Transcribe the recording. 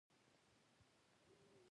نور عاملونه یې له پامه غورځول کېږي.